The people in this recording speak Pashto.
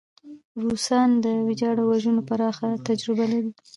روسان د ویجاړۍ او وژنو پراخه تجربه لري.